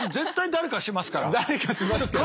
誰かしますけど。